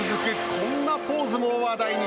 こんなポーズも話題に。